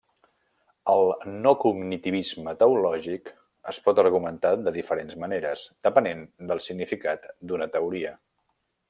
El no-cognitivisme teològic es pot argumentar de diferents maneres, depenent del significat d'una teoria.